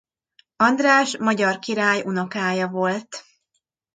András magyar király unokája volt.